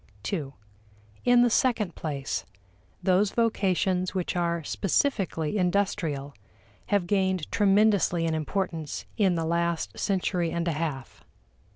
(ii) In the second place, those vocations which are specifically industrial have gained tremendously in importance in the last century and a half.